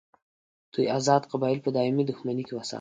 دوی آزاد قبایل په دایمي دښمني کې وساتل.